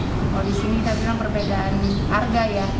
kalau di sini saya bilang perbedaan harga ya